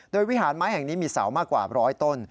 โดยวิหารไม้แห่งนี้มีเสามากกว่าร้อยต้น